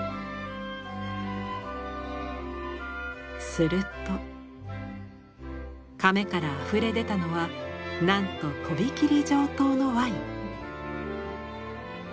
すると甕からあふれ出たのはなんと飛び切り上等のワイン。